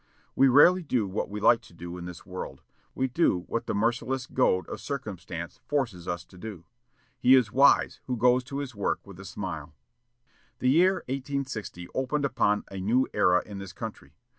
We rarely do what we like to do in this world; we do what the merciless goad of circumstance forces us to do. He is wise who goes to his work with a smile. The year 1860 opened upon a new era in this country.